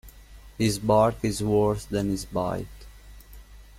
His bark is worse than his bite.